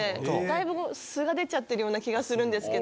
だいぶ素が出ちゃってるような気がするんですけど。